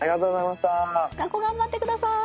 学校がんばってください。